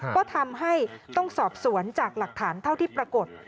ก็ทำให้ต้องสอบสวนจากหลักฐานเท่าที่ปรากฏ